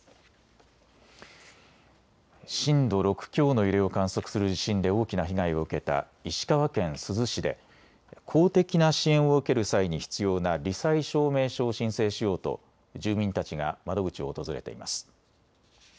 震度６強の揺れを観測する地震で大きな被害を受けた石川県珠洲市で公的な支援を受ける際に必要なり災証明書を申請しようと住民たちが窓口を訪れています。